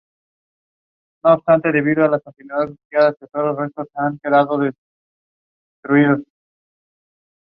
Anteriormente había sido Ministra de Comunicaciones del Primer Ministro Carlos Gomes Júnior.